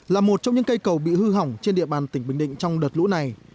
là một trong những cây cầu bị hư hỏng trên địa bàn tỉnh bình định trong đợt lũ này